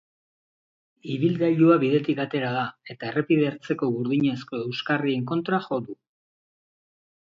Ibilgailua bidetik atera da, eta errepide ertzeko burdinazko euskarrien kontra jo du.